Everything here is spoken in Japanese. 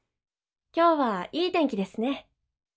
今日はいい天気ですね。